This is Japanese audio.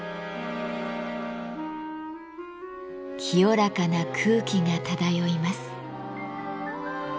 清らかな空気が漂います。